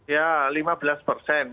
ya lima belas persen